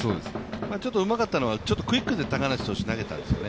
ちょっとうまかったのは、クイックで高梨投手投げたんですよね。